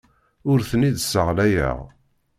Ur ten-id-sseɣlayeɣ.